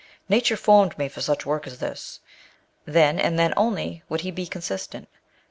Nature formed me for such work as this. Then, and then only, would he be consistent.